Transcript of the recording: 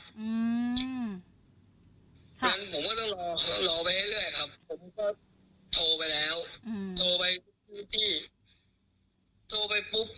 โดยนั้นผมก็ต้องรอไปได้เรื่อยครับโทรไปแล้วที่โทรไปคุณพี่ที่โทรมาปุ๊บ